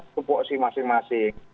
sebuah osi masing masing